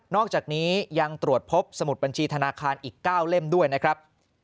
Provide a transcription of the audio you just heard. อกจากนี้ยังตรวจพบสมุดบัญชีธนาคารอีก๙เล่มด้วยนะครับ